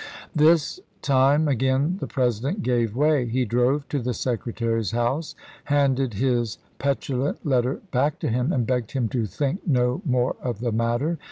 This time again the President gave way. He drove to the Secretary's house, handed his pet ulant letter back to him, and begged him to think May 13,1863. no more of the matter.